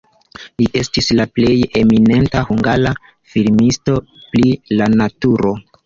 Li estis la plej eminenta hungara filmisto pri la naturo.